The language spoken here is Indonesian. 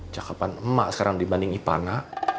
cakapan emak sekarang dibanding ipana